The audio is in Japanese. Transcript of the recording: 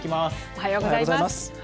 おはようございます。